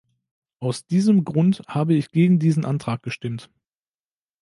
Aus diesem Grund habe ich gegen diesen Antrag gestimmt.